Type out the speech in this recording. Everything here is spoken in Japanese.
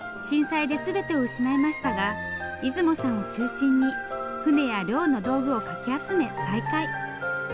震災で全てを失いましたが出雲さんを中心に船や漁の道具をかき集め再開。